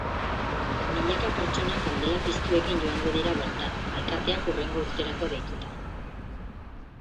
Milaka pertsona kandela piztuekin joango dira bertara, alkatesak hurrengo urterako deituta.